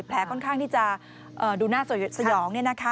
ค่อนข้างที่จะดูหน้าสยอง